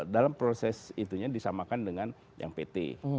dalam proses itunya disamakan dengan yang pt